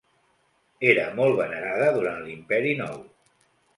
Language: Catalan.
Era molt venerada durant l'Imperi Nou.